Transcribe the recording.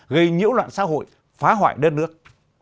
gây nhiễu loạn xã hội phá hoại đất nước